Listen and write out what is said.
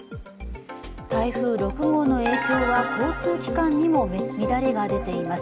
台風６号の影響は交通機関にも乱れが出ています。